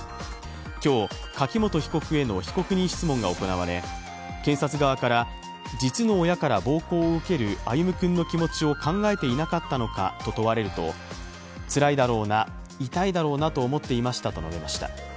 今日、柿本被告への被告人質問が行われ検察側から実の親から暴行を受ける歩夢くんの気持ちを考えていなかったのかと問われると、つらいだろうな、痛いだろうなと思っていましたと述べました。